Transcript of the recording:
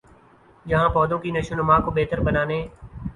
جہاں پودوں کی نشوونما کو بہتر بنانے